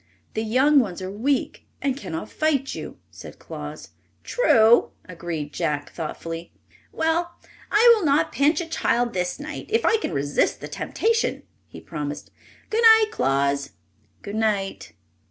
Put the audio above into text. "The young ones are weak, and can not fight you," said Claus. "True," agreed Jack, thoughtfully. "Well, I will not pinch a child this night if I can resist the temptation," he promised. "Good night, Claus!" "Good night."